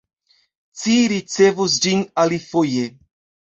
Ci ricevos ĝin alifoje.